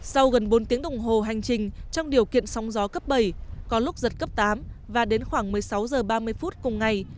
sau gần bốn tiếng đồng hồ hành trình trong điều kiện sóng gió cấp bảy có lúc giật cấp tám và đến khoảng một mươi sáu h ba mươi phút cùng ngày